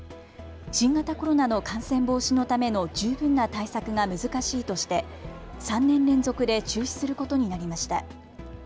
新型コロナの感染防止のための十分な対策が難しいとして３年連続で中止することになりました。